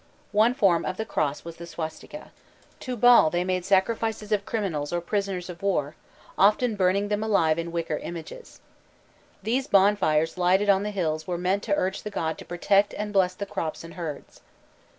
One form of the cross was the swastika. To Baal they made sacrifices of criminals or prisoners of war, often burning them alive in wicker images. These bonfires lighted on the hills were meant to urge the god to protect and bless the crops and herds.